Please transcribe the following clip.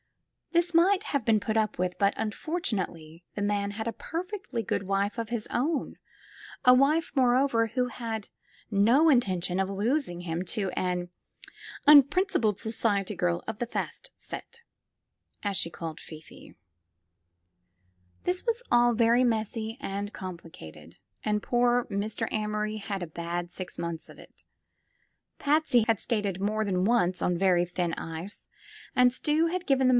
This might have been put up with, but, unfortunately, the man had a perfectly good wife of his own ; a wife, more over, who had no intention of losing him to an "unprin ' cipled society girl of the fast set,'* as she called Fifi. It was all very messy and complicated, and poor Mr. Amory had a bad six months of it. Patsy had skated more than once on very thin ice and Stuy had given then!